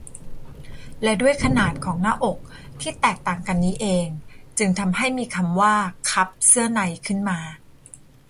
และด้วยขนาดของหน้าอกที่แตกต่างกันนี้เองจึงทำให้มีคำว่า คัพเสื้อใน ขึ้นมา